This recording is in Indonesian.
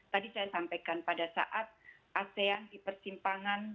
tadi saya sampaikan pada saat asean di persimpangan